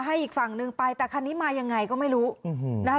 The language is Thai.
อีกฝั่งหนึ่งไปแต่คันนี้มายังไงก็ไม่รู้นะคะ